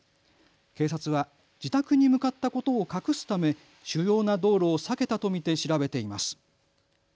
警察は自宅に向かったことを隠すため、主要な道路を避けたと見て調べています。